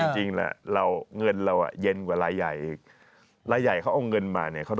จริงแล้วเงินเราเย็นกว่ารายใหญ่อีก